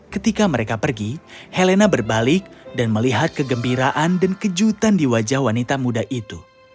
ketika mereka pergi helena berbalik dan melihat kegembiraan dan kejutan di wajah wanita muda itu